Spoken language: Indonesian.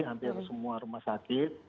hampir semua rumah sakit